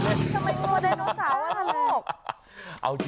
ทำไมโง่ไดโนเสาร์ว่าน่ะ